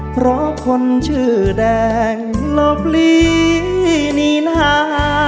เพราะคนชื่อแดงหลบหลีนี่นา